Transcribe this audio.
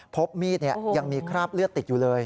พบมีดยังมีคราบเลือดติดอยู่เลย